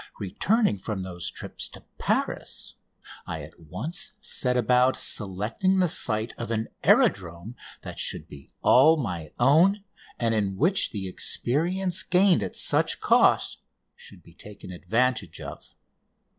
Returning from those trips to Paris I at once set about selecting the site of an aerodrome that should be all my own and in which the experience gained at such cost should be taken advantage of.